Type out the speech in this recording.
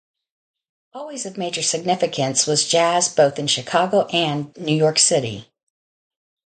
Always of major significance was jazz both in Chicago and New York City.